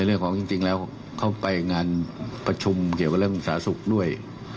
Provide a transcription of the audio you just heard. เรื่องของจริงแล้วเขาไปงานประชุมเกี่ยวกับเรื่องสาธารณสุขด้วย